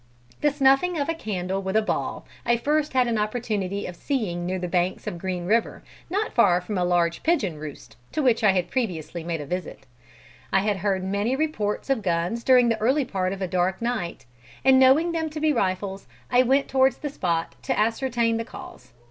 "The Snuffing of a Candle with a ball, I first had an opportunity of seeing near the banks of Green River, not far from a large pigeon roost, to which I had previously made a visit. I had heard many reports of guns during the early part of a dark night, and knowing them to be rifles, I went towards the spot to ascertain the cause.